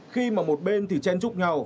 khi mà một bên thì chen trúc